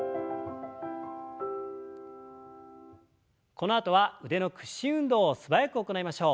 このあとは腕の屈伸運動を素早く行いましょう。